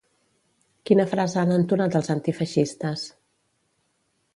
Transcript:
Quina frase han entonat els antifeixistes?